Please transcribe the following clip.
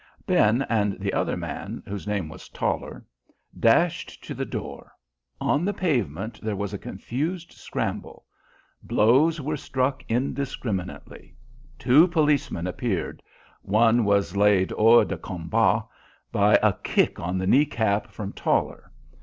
Ben and the other man, whose name was Toller, dashed to the door. On the pavement there was a confused scramble. Blows were struck indiscriminately. Two policemen appeared. One was laid hors de combat by a kick on the knee cap from Toller.